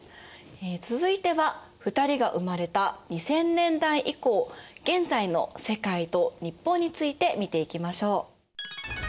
続いては２人が生まれた２０００年代以降現在の世界と日本について見ていきましょう。